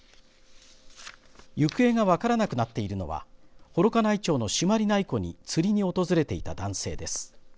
行方が分からなくなっているのは幌加内町の朱鞠内湖に釣りに訪れていた男性です。